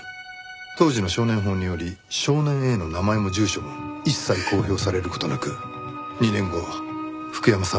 当時の少年法により少年Ａの名前も住所も一切公表される事なく２年後福山さん